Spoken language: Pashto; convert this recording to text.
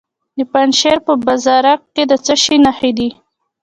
د پنجشیر په بازارک کې د څه شي نښې دي؟